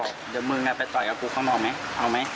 เดี๋ยวมึงเขาไปต่อเอากูเขาออกมั้ย